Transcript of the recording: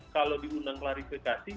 kalau diundang klarifikasi